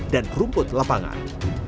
dan rumput lapangan